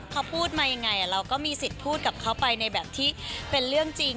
เขาพูดมายังไงเราก็มีสิทธิ์พูดกับเขาไปในแบบที่เป็นเรื่องจริง